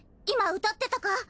今歌ってたか？